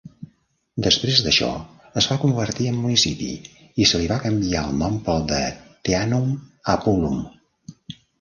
Després d'això, es va convertir en municipi i se li va canviar el nom pel de Teanum Apulum.